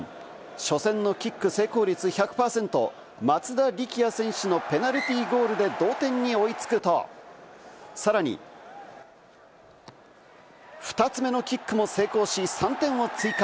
初戦のキック成功率１００％、松田力也選手のペナルティーゴールで同点に追い付くと、さらに、２つ目のキックも成功し、３点を追加。